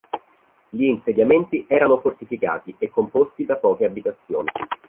Gli insediamenti erano fortificati e composti da poche abitazioni.